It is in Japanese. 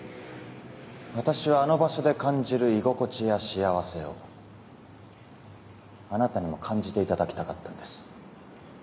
私はあの場所で感じる居心地や幸せをあなたにも感じていただきたかったんです。